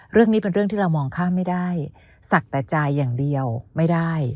เรื่องนี้เป็นเรื่องที่เรามองข้ามไม่ได้ศักดิ์แต่ใจอย่างเดียวไม่ได้